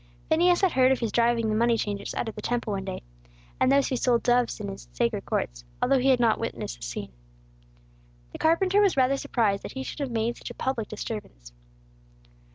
Phineas had heard of His driving the moneychangers out of the Temple one day, and those who sold doves in its sacred courts, although he had not witnessed the scene. The carpenter was rather surprised that He should have made such a public disturbance.